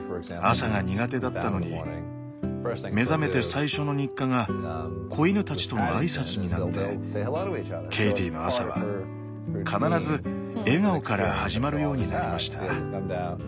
朝が苦手だったのに目覚めて最初の日課が子犬たちとの挨拶になってケイティの朝は必ず笑顔から始まるようになりました。